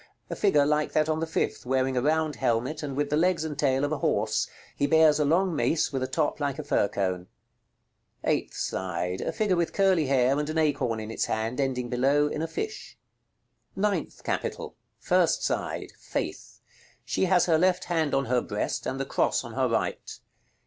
_ A figure like that on the fifth, wearing a round helmet, and with the legs and tail of a horse. He bears a long mace with a top like a fir cone. Eighth side. A figure with curly hair, and an acorn in its hand, ending below in a fish. § LXXVIII. Ninth Capital. First side. Faith. She has her left hand on her breast, and the cross on her right.